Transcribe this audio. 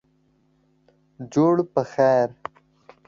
جوړ پخیر